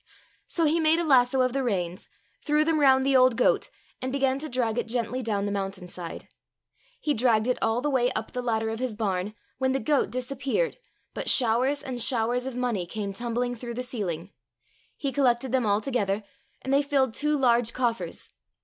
So he made a lasso of the reins, threw them round the old goat, and began to drag it gently down the mountain side. He dragged it all the way up the ladder of his barn, when the goat disappeared, but showers and showers of money came tumbling through the ceiling. He collected them all together, and they filled two large coffers.